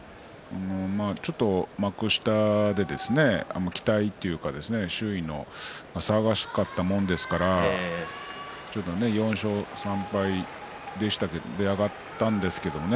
ちょっと幕下で期待というか周囲が騒がしかったものですから４勝３敗上がったんですけどね